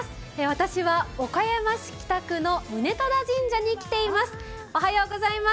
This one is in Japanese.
私は岡山市北区の宗忠神社に来ています。